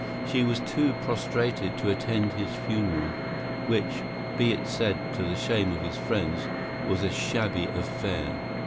She was too prostrated to attend his funeral, which, be it said to the shame of his friends, was a shabby affair.